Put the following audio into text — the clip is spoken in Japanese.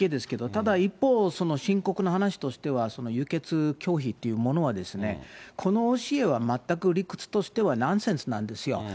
ただ、一方、深刻な話としては、輸血拒否っていうものは、この教えは全く理屈としてはナンセンスなんですよ。